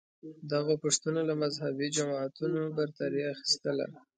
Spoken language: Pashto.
دغو پوښتنو له مذهبې جماعتونو برتري اخیستله